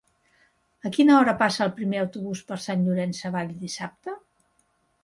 A quina hora passa el primer autobús per Sant Llorenç Savall dissabte?